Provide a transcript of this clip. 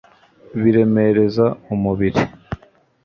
biremereza umubiri